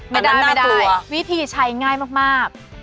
ไม่ได้วิธีใช้ง่ายมาก